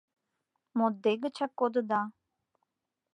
Моддегычак кодыда.